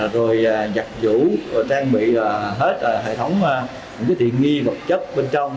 rồi giặt vũ trang bị hết hệ thống thiện nghi vật chất bên trong